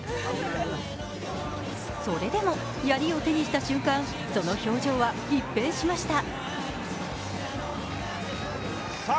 それでもやりを手にした瞬間、その表情は一変しました。